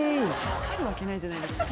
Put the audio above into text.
分かるわけないじゃないですか。